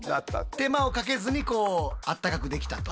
手間をかけずにこうあったかくできたと。